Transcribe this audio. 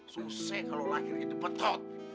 susah kalau lahir hidup betot